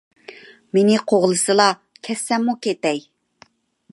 مېنى قوغلىسىلا، كەتسەممۇ كېتەي.